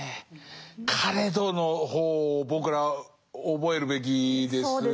「かれど」の方を僕ら覚えるべきですね。